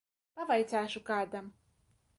Pavaicāšu kādam.